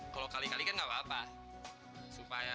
kalau kali kali enggak apa apa supaya lu seneng makasih ya oke